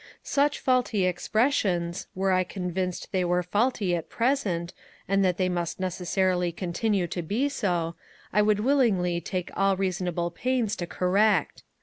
Such faulty expressions, were I convinced they were faulty at present, and that they must necessarily continue to be so, I would willingly take all reasonable pains to correct.